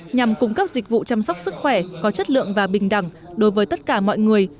nhằm cung cấp dịch vụ chăm sóc sức khỏe có chất lượng và bình đẳng đối với tất cả mọi người